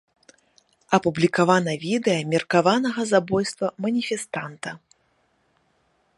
Апублікавана відэа меркаванага забойства маніфестанта.